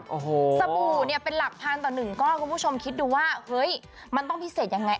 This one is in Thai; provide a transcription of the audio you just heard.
สบู่เป็นหลักพันต่อหนึ่งก้อนคุณผู้ชมคิดดูว่ามันต้องพิเศษยังไง